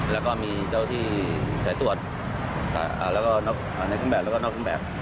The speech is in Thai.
แล้วก็มีเจ้าที่ใส่ตรวจแล้วก็ในคุณแบบแล้วก็นอกคุณแบบ